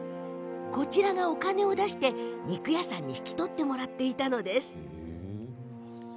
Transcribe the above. こちらがお金を出して肉屋さんに引き取ってもらっていたのです。